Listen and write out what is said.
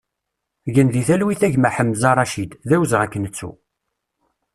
Gen di talwit a gma Ḥemza Racid, d awezɣi ad k-nettu!